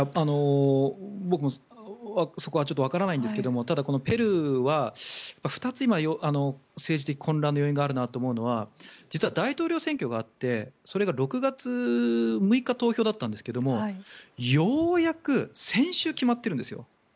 僕もそこはちょっとわからないんですがただ、このペルーは２つ今、政治的混乱の要因があると思うのは実は大統領選挙があって、それが６月６日投票だったんですがようやく先週、決まってるんですよ。